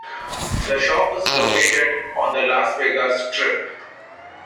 The shop is located on the Las Vegas Strip.